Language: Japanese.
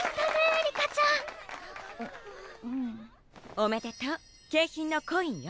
おめでとう景品のコインよ。